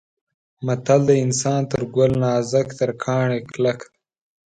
متل دی: انسان تر ګل نازک تر کاڼي کلک دی.